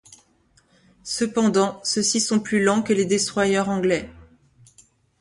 Cependant ceux-ci sont plus lents que les destroyers anglais.